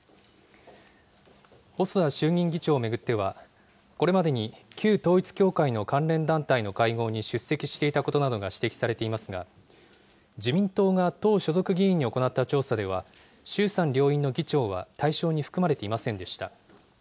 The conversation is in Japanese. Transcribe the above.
細田衆議院議長を巡っては、これまでに旧統一教会の関連団体の会合に出席していたことなどが指摘されていますが、自民党が党所属議員に行った調査では、衆参両院の議長は対象に含まれていませんでした。